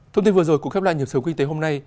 thông tin vừa rồi cũng khép lại nhiều sở kinh tế hôm nay